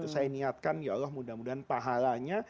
saya niatkan ya allah mudah mudahan pahalanya